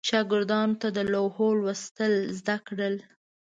شاګردانو ته د لوحو لوستل زده کړل.